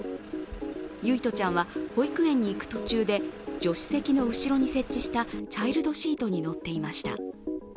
唯叶ちゃんは保育園に行く途中で助手席の後ろに設置したチャイルドシートに乗っていました。